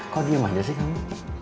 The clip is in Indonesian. kau diem aja sih kamu